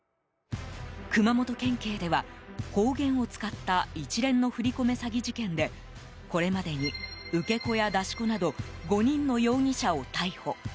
熊本県警では、方言を使った一連の振り込め詐欺事件でこれまでに受け子や出し子など５人の容疑者を逮捕。